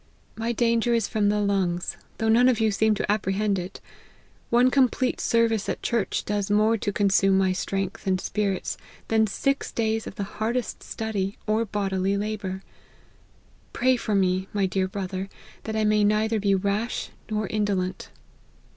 My danger is from the lungs : though none of you seem to apprehend it. One complete service at church does more to consume my strength and spirits than six days of the hardest study, or bodily labour. Pray for me, my dear brother, that I may neither be rash nor indolent."